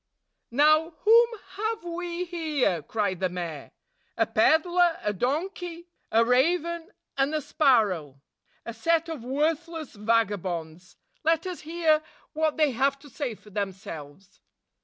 "Now, whom have we here?" cried the mayor. "A peddler, a donkey, a raven, and a sparrow, — a set of worthless vagabonds! Let us hear what they have to say for themselves."